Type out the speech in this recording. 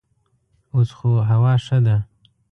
اوس خو هوا ښه ده.